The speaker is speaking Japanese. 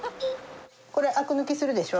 これアク抜きするでしょ？